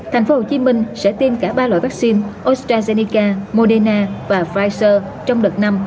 thành phố hồ chí minh sẽ tiêm cả ba loại vaccine astrazeneca moderna và pfizer trong đợt năm